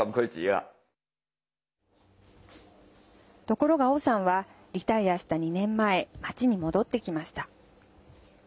ところが、王さんはリタイアした２年前街に戻ってきました。